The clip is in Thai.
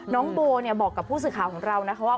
น้องโบบอกกับผู้สื่อข่าวของเรานะคะว่า